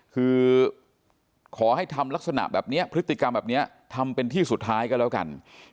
คือขอให้ทำลักษณะแบบนี้พฤติกรรมแบบนี้ทำเป็นที่สุดท้ายก็แล้วกัน